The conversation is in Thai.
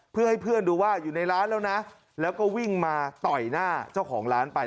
เพื่อให้เพื่อนดูว่าอยู่ในร้านแล้วนะแล้วก็วิ่งมาต่อยหน้าเจ้าของร้านไป